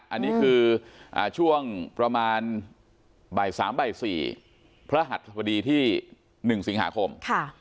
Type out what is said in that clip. อันนี้คืออ่าช่วงประมาณบ่ายสามบ่ายสี่พระหัสสมดีที่หนึ่งสิงหาคมค่ะ